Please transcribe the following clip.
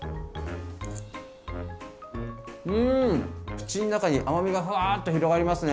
口ん中に甘みがふわっと広がりますね。